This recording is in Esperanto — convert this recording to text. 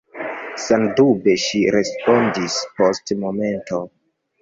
Sendube, ŝi respondis post momento.